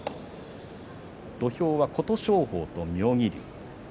土俵は琴勝峰と妙義龍。